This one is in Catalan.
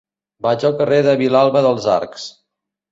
Vaig al carrer de Vilalba dels Arcs.